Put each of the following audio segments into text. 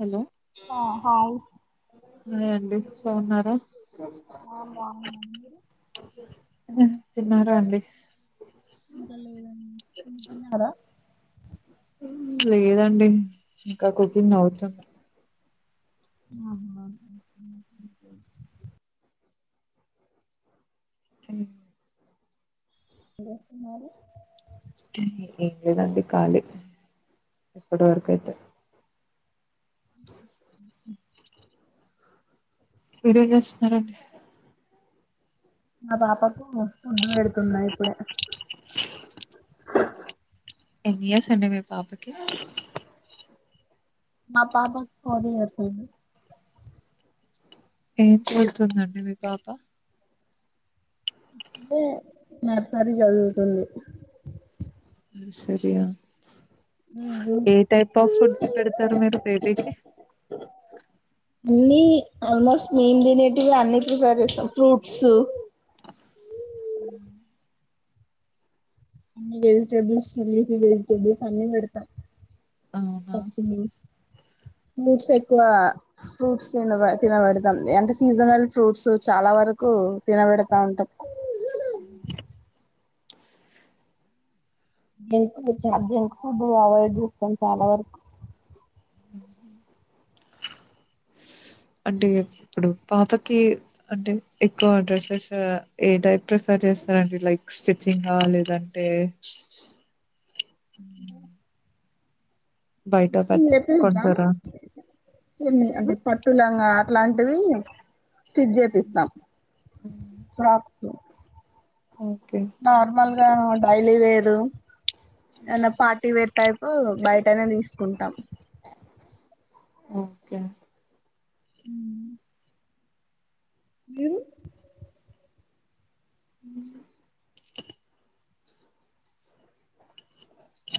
Hello ఆ hi అదే అండి గ్రూపులో ఉన్నారా తిన్నారా అండి ఇంకా లేదండి [inaudible] తిన్నారా లేదండి ఇంకా కుకింగ్ అవుతుంది అవున [inaudible] మ్మ్ [unintelligible] చేస్తున్నారు ఏం లేదండి ఖాళీ ఇప్పటివరకు అయితే మీరేం చేస్తున్నారండి మా పాపకు ఫుడ్ పెడుతున్నా ఇప్పుడే ఎన్ని ఇయర్స్ అండి మీ పాపకి మా పాపకు ఫోర్ ఇయర్స్ అండి ఏం చదువుతుందండి మీ పాప అదే నర్సరీ చదువుతుంది నర్సరీ ఆ ఏ టైప్ ఆఫ్ ఫుడ్ పెడతారు మీరు బేబీకి [unintelligible] ఆల్మోస్ట్ మేము తినేటివి అన్నిటినీ ప్రిఫర్ చేస్తాం ఫ్రూట్స్ మ్మ్ అన్ని వెజిటేబుల్స్ అన్ని ప్రిఫర్ అన్ని పెడతాం అవునా [unintelligible] ఫ్రూట్ ఎక్ క్కువ ఫ్రూట్స్ తిన తినబడతాం అంటే సీజనల్ ఫ్రూట్స్ చాలా వరకు తినబ పెడతా ఉంటాం మ్మ్ ఇంకో చార్జ్ ఇండు అవడ్ చూస్తాం చాలా వరకు అంటే ఎప్పుడు పాపకి అంటే ఎక్కువ డ్రెస్సెస్ ఏ టైప్ ప్రిఫర్ చేస్తారండి లైక్ స్టిచింగ్ చింగ్ ఆ లేదంటే [unintelligible] బయట పెట్ చెప్పద్దాం కొంటారా ఏమి ఉ? అంటే పట్టు లంగ అలాంటివి స్టిచ్ చేపిస్తాం ఫ్రాక్స్ ఓకే నార్మల్గా డైలీ వేరు ఏన్న పార్టీ వేర్ టైప్ మ్మ్ బయటనే తీసుకుంటాం ఓకే మ్మ్ [unintelligible] [unintelligible]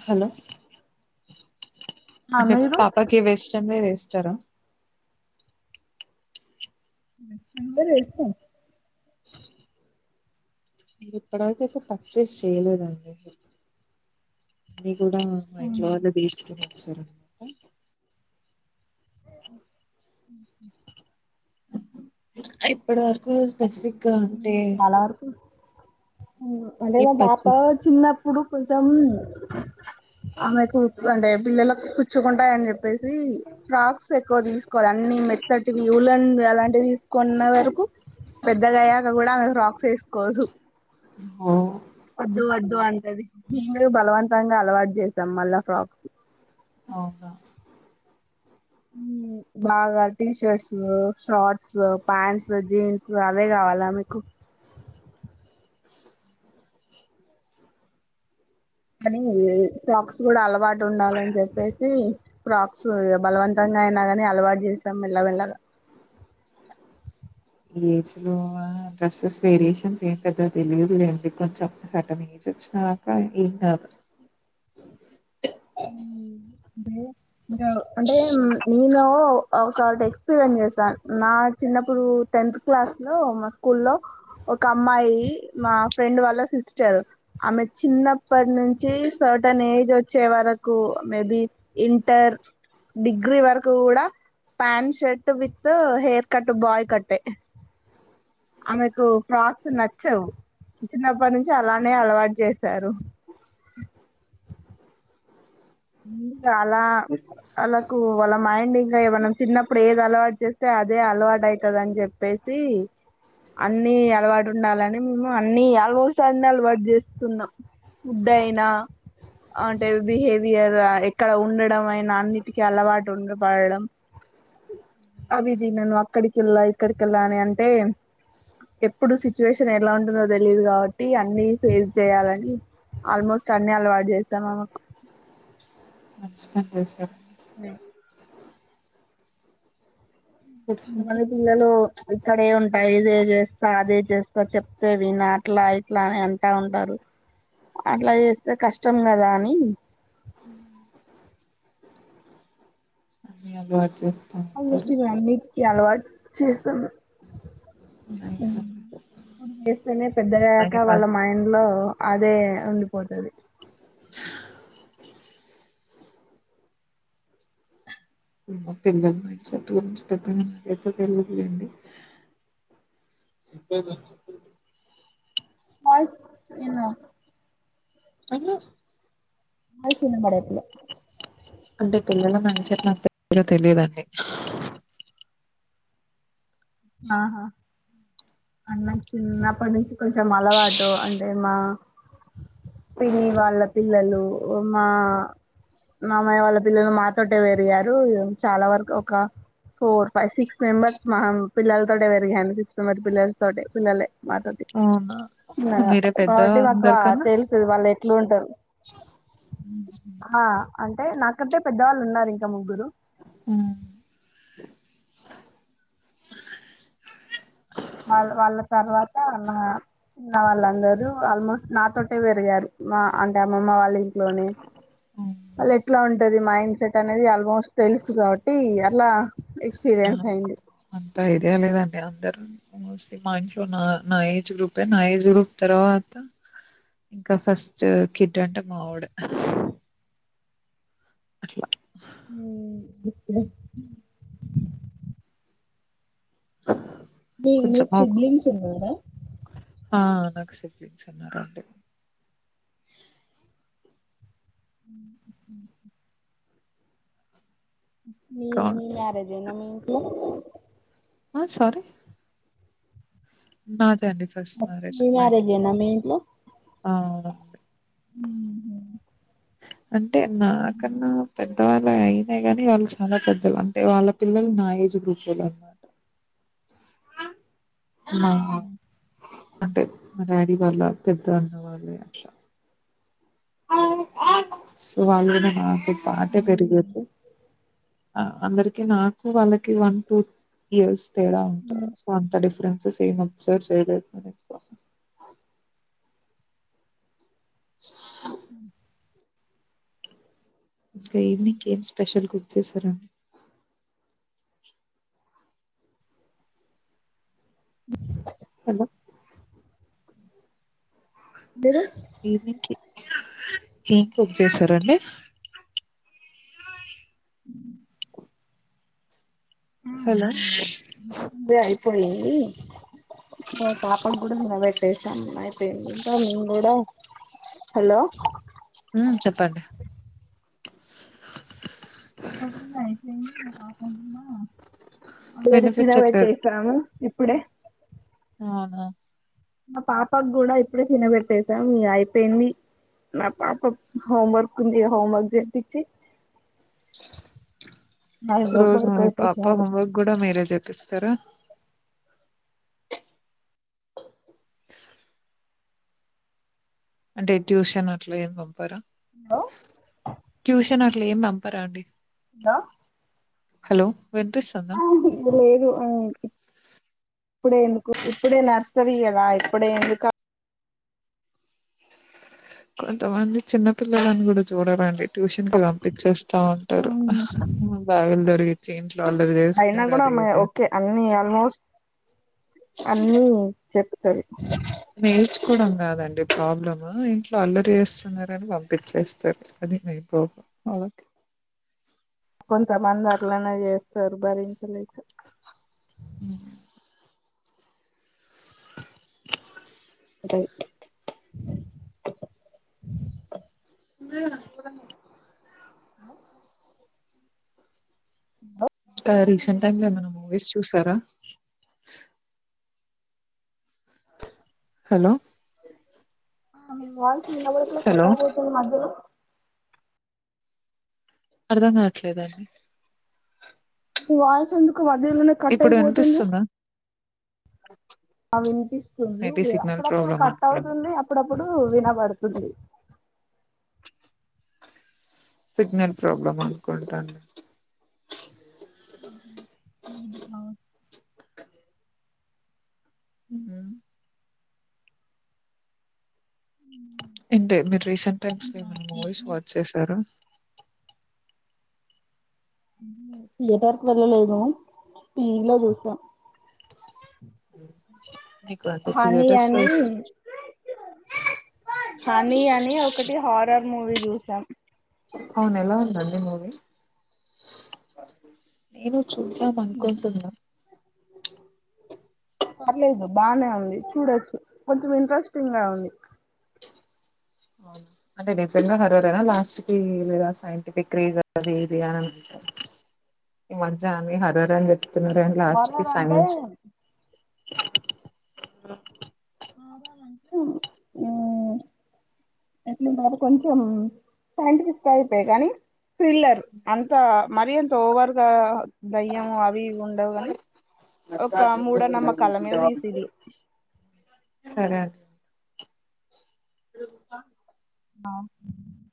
హలో ఆ అంటే మీరు పాపకి వెస్టర్న్ వేర్ వేస్తారా అందరు వేస్తారు ఇప్పుడి వరకు అయితే పర్చేస్ చెయ్యలేదండి కూడా మా ఇంట్లో వాళ్ళు తీసుకున్నారు సరే క మ్మ్ హు ఇప్పటి వరకు స్పెసిఫిక్ గా అంటే అంటే ఏం మా పాప పర్చేస్ చిన్నప్పుడు కొంచెం అమెకు అంటే పిల్లలకు కుచ్చుకుంటాయని చెప్పేసి ఫ్రాక్స్ ఎక్కువ తీసుకోలే అన్ని మెత్తటివి ఉలన్ అలాంటివి కొన్న వరకు పెద్దగా అయ్యాక కూడా ఆమె ఫ్రాక్స్ వేసుకోదు అవున వద్దు వద్దు అంటది మేము బలవంతంగా అలవాటు చేసాం మళ్ళా ఫ్రాక్స్ అవునా ఆ బాగా టీషర్ట్స్, షార్ట్స్, ప్యాంట్స్, జీన్స్ అవే కావాలామేకు కానీ ఫ్రాక్స్ గూడా అలవాటు ఉండాలన్ చెప్పేసి ఫ్రాక్స్ ఇగ బలవంతంగా అయినా గాని అలవాట్ జేస్తం. మెల్ల మెల్లగా ఈ ఏజ్ లో ఆ డ్రెస్సెస్ వేరియేషన్స్ ఏం పెడుతదొ తెలియదు లేండ్ కొంచెం సటన్ ఏజ్ తెచ్చినవ్ గాక ఈ టాప్ ఇంకెవ్డు అంటే నినో ఆ ఒక టెక్స్పీరియన్స్ చేస్ సన్. నా చిన్నప్పుడు టెన్త్ క్లాస్ లో మా స్కూల్ లో ఒక అమ్మాయి. మా ఫ్రెండ్ వాళ్ళ సిస్టరు. ఆమె చిన్నప్పటి నుంచి సర్టన్ ఏజ్ వచ్చే వరకు. మేబి ఇన్ టార్, డిగ్రీ వరకు గూడా. Pant shirt with hair cut, boy కట్టే. ఆమెకు ఫ్రాక్స్ నచ్చవ్ చిన్నప్పటి నుంచి అలానే అలవాట్ చేశారు. దుకు అలా ఆళ్ళకు వాళ్ళ మైండ్ ఇంకా ఏమన్నా చిన్నప్పుడు ఏది అలవాటు చేస్తే. అదే అలవాటయితదని చెప్పేసి. అన్ని అలవాటు ఉండాలని, మేము అన్ని ఆల్మోస్ట్ అన్ని అలవాట్ చేస్తున్నాం. ఫుడ్ అయినా అంటే బిహేవి యార్ ఎక్కడ ఉండడం అయినా, అన్నిటికీ అలవాటు ఉండబడడం. అవి తినను అక్కడికేళ్ళా, ఇక్కడికేళ్ళా అని అంటే ఎప్పుడు సిచ్యువేషన్ ఎలా ఉంటదో తెలిదు కాబట్టి. అన్ని ఫేస్ చెయ్యాలని. ఆల్మోస్ట్ అన్ని అల్వాటు చేస్తం. ఆమెకు మంచి పని చేసినవ్ [unintelligible] కొంతమంది పిల్లలు ఇక్కడే ఉంటాయి. ఇదే చేస్తా, అదే చేస్తా, చెప్తేవినా అట్లా ఇట్లా అని అంటా ఉంటారు. అట్లా చేస్తే కష్టం కదా. అని అన్ని అలవాట్ చేస్ ఆల్మోస్ట్ ఇప్పుడన్నిటికీ అలవాటు చేస్తాన్డు. నైస్ ఉమ్ అండి. ఇప్పుడు చేస్తేనే పెద్దగాయాక. వాళ్ళ నయమాది. మైండ్ లో అదే ఉండిపోతది హా హ్ మా పిల్లల మైండ్ సెట్ గురించి పెద్దగా నాకైతే తెలీదు లెండి. [unintelligible] కాల్స్ ఎన్నో అన్న వాయిస్ ఈనబడట్లే అంటే పిల్లల మైండ్ సెట్ నాక్ పెద్దగా తెలియదండి. ఆహా అన్ నాక్ చిన్నప్పటి నుంచి కొంచెం అలవాటు. అంటే మా పిన్ని వాళ్ళ పిల్లలు మా మామయ్య వాళ్ళ పిల్లలు మాతోటే పెరిగారు. ఇగ్ చాలా వరకు ఒక ఫోర్, ఫైవ్, సిక్స్ మెంబర్స్ మామ్ పిల్లతో పెరిగాను సిక్స్త్ మది పిల్లలతోటే. పిల్లలే మా తోటి అవునా చిన్నగా మీరే పెద్ద కాబట్టి మాకు ఆ అందరికన్నా? తెలుసు వాళ్ళు ఎట్లుంటారు. ఉహ్మ్ హు అంటే నాకంటే పెద్దవాళ్ళు ఉన్నారు ఇంకా ముగ్గురు హుమ్ వాళ్ళ వాళ్ళ తర్వాత అన్న ఉన్న వాళ్ళందరూ ఆల్మోస్ట్ నాతోటే పెరిగారు మా అంటే అమ్మమ్మ వాళ్ళ ఇంట్లోనే హ్మ్ వాళ్ళు ఎట్లా ఉంటది మా ఇం ఇన్ సెట్ అనేది ఆల్మోస్ట్ తెలుసు కాబట్టి అలా నాకు అంత ఐడియా లేదండి అందరూ ఆల్ మోస్ మా ఇంట్లో నా నా ఏజ్ గ్రూపె నా ఏజ్ గ్రూప్ తరవాత ఇంకా ఫస్ట్ కిడ్ అంటే మావోడే అట్లా హుమ్ ఇంకా అ మామ్ మీ సిద్దునే చినోడా ఆ నాకు సెపిన్ చినోడండి ఊ ఉ ఊ ఉ మీ ఇంకా మీ మ్యారేజ్ ఏ నా మీ ఇంట్లో ఆ సారీ నాద్ నెక్స్ట్ మీ మ్యారేజ్ ఏనా మీ ఇంట్లో అవునండి అంటే నాకన్నా పెద్ద పెద్ద వాళ్ళు అయినా కానీ వాళ్ళు చాలా పెద్దలు అంటే వాళ్ళ పిల్లలు నా ఏజ్ గ్రూపోలు అన్నమాట ఆహా అంటే మా డాడీ వాళ్ళ పెద్ద అన్న వాళ్ళే అట్లా సో వాళ్లు కూడా నాతో పాటే పెరిగరు ఆ అందరికి నాకు వాళ్ళకి వన్ టూ ఇయర్స్ తేడా ఉంటంది సో అంత డిఫరెన్ సెస్ ఏమో సెర్చ్ చేయలేదు నేనెక్కువ ఉ ఊ ఇంకా ఈవినింగ్ కి ఏం స్పెషల్ కుక్ చేసారండి హలో మీరు కేక్ కట్ చేసారండి హలో! ఇగ అయిపోయిందండి మా పాపం కూడా [unintelligible] అయిపోయింది ఇంకా నేన్ కూడా హలో హ్మ్. చెప్పండి. ఇంతకు ముందు అయిపొయింది మా పాపకు కూడా వేడిది వినిపిచ్చట్లేదు. తినబట్టేసాము ఇప్పుడే అవునా మా పాపకి కూడా ఇప్పుడే తినబెట్టసాము ఇగ అయిపోయింది నా పాప హోం వర్క్ ఉంది హోం వర్క్ జెపిచి దానిలో రోజు మీ పాప పడుకోబెట్టేసేయాలి హోంవర్క్ కూడా మీరే చెపిస్తరా అంటే ట్యూషన్ అట్లా ఏం పంపరా హలో కని అట్ల ఏం పంపరా అండి ఇదా హలో వినిపిస్తుందా ఇ ఇనిపిసుంది లేదు ఊ ఇప్పుడే ఎందుకు ఇప్పుడే నర్సరీ కదా ఇప్పుడే ఎందుక కొంతమంది చిన్న పిల్లలని గుడ చూడరండి ట్యూషన్ కి పంపిచేస్తా ఉంటారు బాయిల్దరిగి చేంజ్ అయినా గుడా ఓకే అన్ని ఆల్మోస్ట్ అన్ని చెప్ నేర్చుకోవడం గాదండి ప్రాబ్లమ్ ఇంట్లో అల్లరి చేస్తున్నారని పంపిచేస్తారు అది మిపో అవకి కొంత మందట్లనే చేస్తారు భరించలేక ఉ త్ [inaudible] హ బ ఇంకా రీసెంట్ టైమ్ ఏమైనా మూవీస్ చూసారా హలో ఆ మీ వాయిస్ [inaudible] హలో కటైయిపోతుంది మధ్యలో అర్ధం కాట్లేదండి మీ వాయిసెందుకు వధ్యలోనే ఇప్పుడు కట్టైపోతుంది వినిపిస్తుందా ఆ వినిపిస్తుంది మేబి సిగ్నల్ అప్పుడప్పుడు ప్రాబ్లమ్ కట్ అనుకోండి. అవుతుంది అప్పుడప్పుడు విన పడుతుంది సిగ్నల్ ప్రాబ్లమ్ అనుకుంటా ఊహు మ్ అవున్ ఊహు ఏంటే మీరు రీసెంట్ టైమ్స్ లో ఏమైనా మూవీస్ వాచ్ చేశారు థియేటర్కి వెళ్ళలేదు టీ వీ లో చూసా మీకు అంటే థియటర్స్లో అని హనీ అని ఒకటి హారర్ మూవీ చూసాం అవునెలా ఉందండి మూవి నేను చూసాననుకుంటున్నా పర్లేదు బానే ఉంది చూడొచ్చు కొంచెం ఇంట్రెస్టింగ్ గా ఉంది అవును అంటే నిజంగా హర్రరేనా లాస్ట్ కీ లేదా సైంటిఫిక్ రీజన్ అది ఇది అనంట ఈ మధ్య అన్ని హర్రర్ అని చెప్తున్నారు గాని లాస్ట్ కి హారర్ అంటే సైన్స్ మ్మ్ మారాలంటే అట్లు మాకు కొంచెం సైంటిఫిక్ గా అయితే గానీ ఫ్రిల్లర్ అంత మరి అంత ఓవర్గా దయ్యము అవి ఇవి ఉండవు గని ఒక మూడనమ్మకళ్ళ మీద తీసిది సరే అండ్ దొరుక న